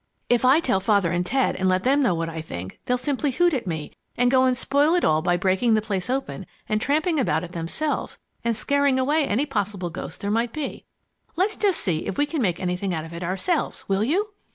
If I tell Father and Ted and let them know what I think, they'll simply hoot at me and go and spoil it all by breaking the place open and tramping around it themselves and scaring away any possible ghost there might be. Let's just see if we can make anything out of it ourselves, will you?"